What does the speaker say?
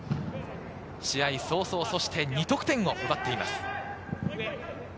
試合早々、そして２得点を奪っています。